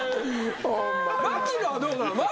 槙野はどうなんよ？